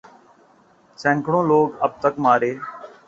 سینکڑوں لوگ اب تک مارے